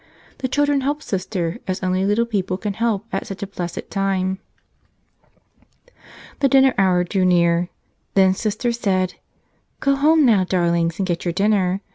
The chil¬ dren helped Sister as only little people can help at such a blessed time. The dinner hour drew near. Then Sister said, "Go home now, darlings, and get your dinner.